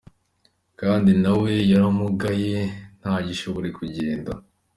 Kandi na we yaramugaye, ntagishoboye kugenda.